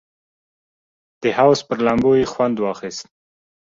د حوض پر لامبو یې خوند واخیست.